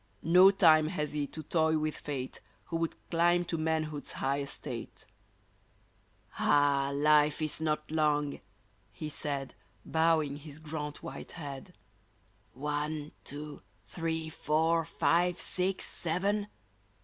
No time has he to toy with fate Who would climb to manhood's high estate !"" Ah ! life is not long! " he said, Bowing his grand white head. *' One, two, three, four, five, six, seven